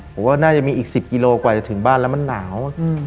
ผมว่าน่าจะมีอีก๑๐กิโลกว่าจะถึงบ้านแล้วมันหนาว